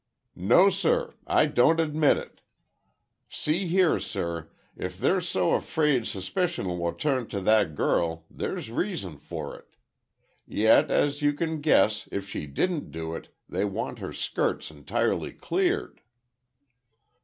"No, sir. I don't admit it. See here, sir, if they're so 'fraid s'picion will turn to that girl, there's reason for it. Yet, as you can guess, if she didn't do it, they want her skirts entirely cleared."